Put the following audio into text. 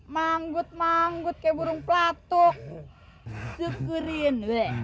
manggut manggut ke burung pelatuk segerin